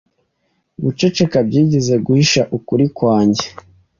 Guceceka byigeze guhisha ukuri kwanjye…